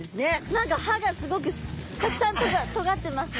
何か歯がすごくたくさん尖ってますね。